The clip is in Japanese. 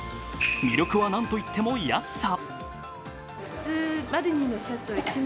魅力は何といっても安さ。